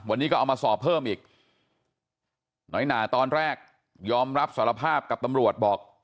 วันนี้ก็เอามาสอบเพิ่มอีกน้อยหนาตอนแรกยอมรับสารภาพกับตำรวจบอก